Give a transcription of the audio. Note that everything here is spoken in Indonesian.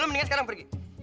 lo mendingan sekarang pergi